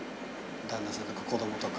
旦那さんとか子供とか。